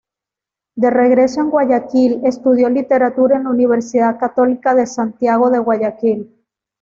De regreso en Guayaquil estudió literatura en la Universidad Católica de Santiago de Guayaquil.